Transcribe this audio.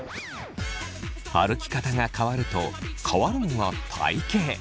歩き方が変わると変わるのが体型。